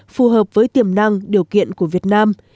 phù hợp với tiềm năng điều kiện của việt nam